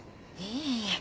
いいえ。